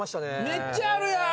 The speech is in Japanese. めっちゃあるやん！